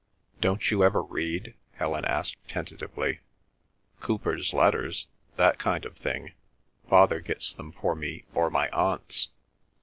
"Don't you ever read?" Helen asked tentatively. "Cowper's Letters—that kind of thing. Father gets them for me or my Aunts."